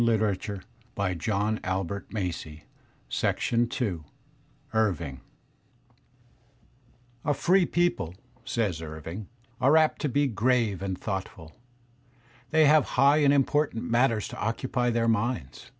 Digitized by Google CHAPTER n mVING A FREE people/' says Irving, "are apt to be grave and thoughtful. They have high and important matters to occupy their minds.